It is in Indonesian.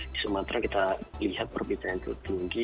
di sumatera kita lihat perbedaan itu tinggi